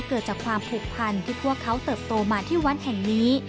เกิดจากความผูกพันที่พวกเขาเติบโตมาที่วัดแห่งนี้